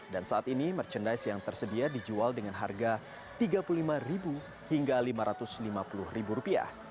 dan saat ini merchandise yang tersedia dijual dengan harga rp tiga puluh lima hingga rp lima ratus lima puluh